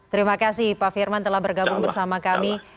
terima kasih pak firman telah bergabung bersama kami